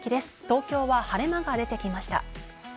東京は晴れ間が出てきました。